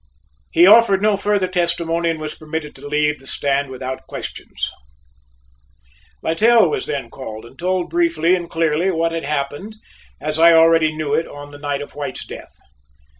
He offered no further testimony and was permitted to leave the stand without questions. Littell was then called and told briefly and clearly what had happened as I already knew it on the night of White's death.